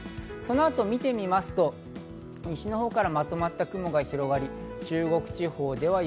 そのあとを見てみますと、西のほうからまとまった雲が広がり、中国地方では雪。